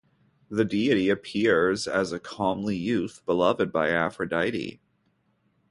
The deity appears as a comely youth beloved by Aphrodite.